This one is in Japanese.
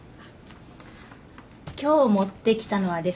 今日持ってきたのはですね